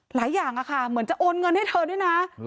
หลายอย่างค่ะเหมือนจะโอนเงินให้เธอด้วยนะ